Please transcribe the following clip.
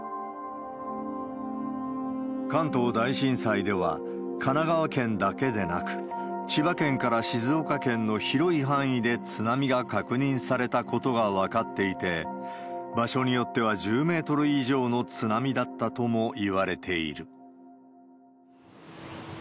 関東大震災では、神奈川県だけでなく、千葉県から静岡県の広い範囲で津波が確認されたことが分かっていて、場所によっては１０メートル以上の津波だったともいわれている。